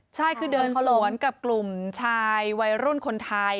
ใช่คือเดินสวนกับกลุ่มชายวัยรุ่นคนไทย